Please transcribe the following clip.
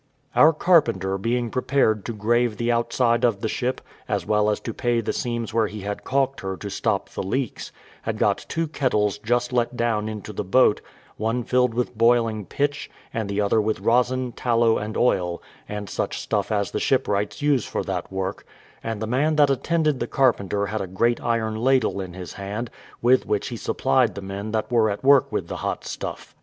Our carpenter being prepared to grave the outside of the ship, as well as to pay the seams where he had caulked her to stop the leaks, had got two kettles just let down into the boat, one filled with boiling pitch, and the other with rosin, tallow, and oil, and such stuff as the shipwrights use for that work; and the man that attended the carpenter had a great iron ladle in his hand, with which he supplied the men that were at work with the hot stuff.